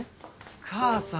母さん！